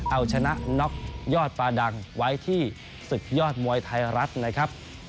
เอาชนะน็อกยอดฟาดังไว้ที่ศึกยอดมวยไทยรัฐนะครับ